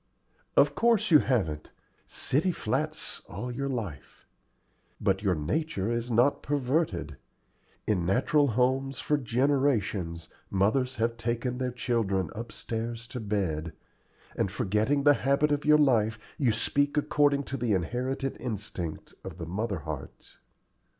"Of course you haven't city flats all your life. But your nature is not perverted. In natural homes for generations mothers have taken their children upstairs to bed, and, forgetting the habit of your life, you speak according to the inherited instinct of the mother heart."